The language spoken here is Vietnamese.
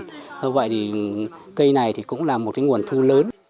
thế vậy thì cây này thì cũng là một cái nguồn thu lớn